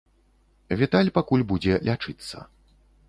Віталь пакуль будзе лячыцца.